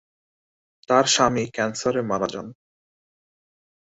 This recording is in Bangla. তার স্বামী ক্যান্সারে মারা যান।